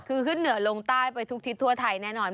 คือขึ้นเหนือลงใต้ไปทุกทิศทั่วไทยแน่นอน